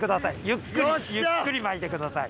ゆっくりゆっくり巻いてください。